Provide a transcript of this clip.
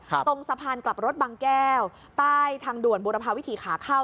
ตรงสะพานกลับรถบางแก้วใต้ทางด่วนบุรพาวิถีขาเข้า